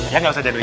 ya gak usah jadulin